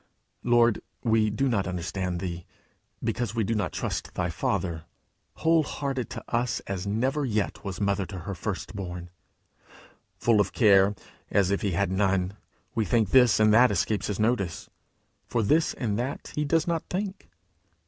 Lord, we do not understand thee, because we do not trust thy Father whole hearted to us, as never yet was mother to her first born! Full of care, as if he had none, we think this and that escapes his notice, for this and that he does not think!